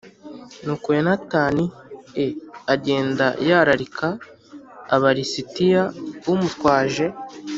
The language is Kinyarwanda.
Nuko Yonatani e agenda yararika Aba lisitiya umutwaje